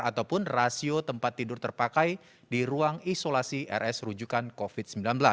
ataupun rasio tempat tidur terpakai di ruang isolasi rs rujukan covid sembilan belas